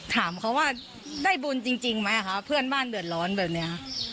ถามเขาว่าได้บุญจริงไหมคะเพื่อนบ้านเดือดร้อนแบบนี้